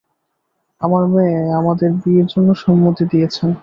আমার মেয়ে আমাদের বিয়ের জন্য সম্মতি দিয়েছে।